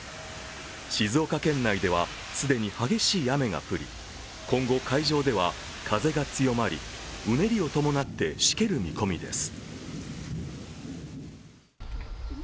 静岡県内では既に激しい雨が降り、今後、海上では風が強まり、うねりを伴ってしける見込みです。